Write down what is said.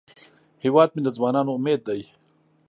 هیواد مې د ځوانانو امید دی